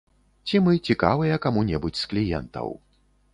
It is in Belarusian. Ці мы цікавыя каму-небудзь з кліентаў.